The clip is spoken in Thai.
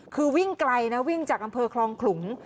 คือวิ่งไกลนะวิ่งจากอำเภอคลองขลุง